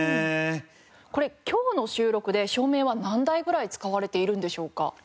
これ今日の収録で照明は何台ぐらい使われているんでしょうか？